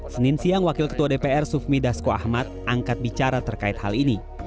senin siang wakil ketua dpr sufmi dasko ahmad angkat bicara terkait hal ini